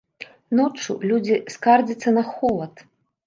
Ноччу людзі скардзяцца на холад.